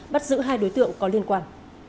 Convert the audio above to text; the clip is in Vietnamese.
bắt giữ hai đối tượng có liên quan